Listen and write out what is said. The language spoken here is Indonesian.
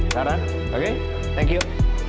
saran oke thank you